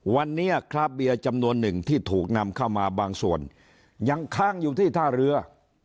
วันนี้คราบเบียร์จำนวนหนึ่งที่ถูกนำเข้ามาบางส่วนยังค้างอยู่ที่ท่าเรือ